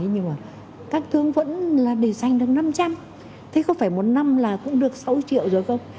nhưng mà các tướng vẫn là để dành được năm trăm linh thế có phải một năm là cũng được sáu triệu rồi không